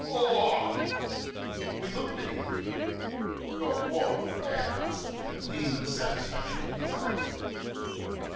"Ooh!" We looked at him. "Got what?" Dad asked, a gleam of satisfaction appearing in his eyes.